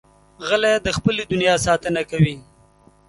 غلی، د خپلې دنیا ساتنه کوي.